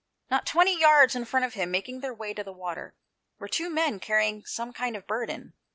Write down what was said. Not twenty yards in front of him, making their way to the water, were two men carrying some kind of burden.